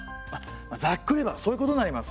ざっくり言えばそういうことになります。